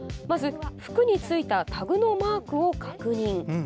まず、服についたタグのマークを確認。